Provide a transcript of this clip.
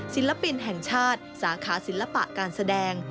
ศิลปินแห่งชาติสาขาศิลปะการแสดง